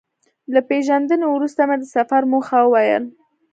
له پېژندنې وروسته مې د سفر موخه وویل.